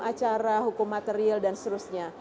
acara hukum material dan seterusnya